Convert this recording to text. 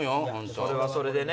それはそれでね。